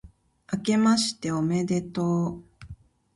あけましておめでとう、